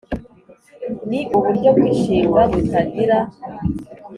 ni uburyo bw’inshinga butagira